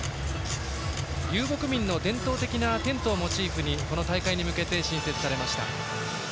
遊牧民の伝統的なテントをモチーフにこの大会に向けて新設されました。